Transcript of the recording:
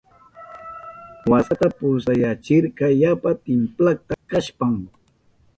Waskata pulsayachirka yapa timplakta kashpan.